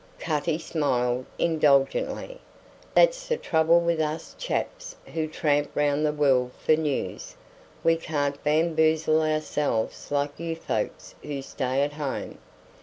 Cutty smiled indulgently. "That's the trouble with us chaps who tramp round the world for news. We can't bamboozle ourselves like you folks who stay at home.